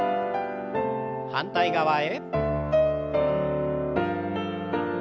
反対側へ。